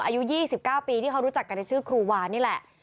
อายุ๒๙ปีที่เขารู้จักกันในชื่อครูวานี่แหละ